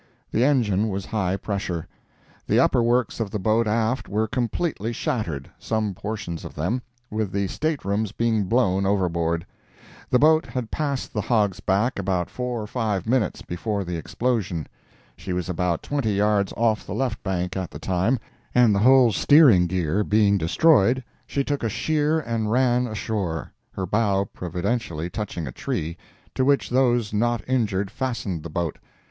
The engine was high pressure. The upper works of the boat aft were completely shattered, some portions of them, with the state rooms being blown overboard. The boat had passed the Hog's Back about four or five minutes before the explosion. She was about twenty yards off the left bank at the time, and the whole steering gear being destroyed, she took a sheer and ran ashore, her bow providentially touching a tree, to which those not injured fastened the boat.